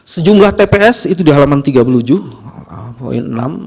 sejumlah tps itu di halaman tiga puluh tujuh poin enam